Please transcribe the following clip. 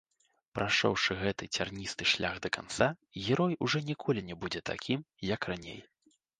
Прайшоўшы гэты цярністы шлях да канца, герой ужо ніколі не будзе такім, як раней.